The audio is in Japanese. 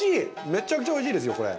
めちゃくちゃおいしいですよこれ。